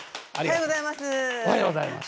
おはようございます。